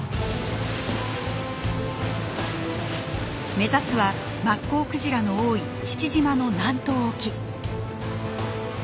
目指すはマッコウクジラの多い父島の南東沖。